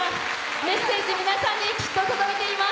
メッセージ、皆さんに届いています。